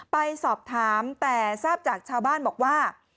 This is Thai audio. ไปสอบถามแต่ทราบจากชาวบ้านบอกว่า